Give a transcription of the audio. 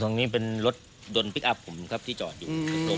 ตรงนี้เป็นรถยนต์พลิกอัพผมครับที่จอดอยู่ตรง